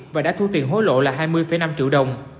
và đã thu tiền hối lộ là hai mươi năm triệu đồng